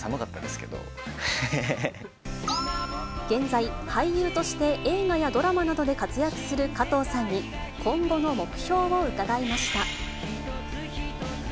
現在、俳優として映画やドラマなどで活躍する加藤さんに、今後の目標を伺いました。